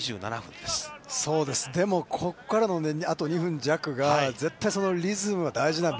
でも、ここからのあと２分弱が絶対リズムが大事なので。